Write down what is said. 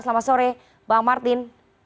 selamat sore bang martin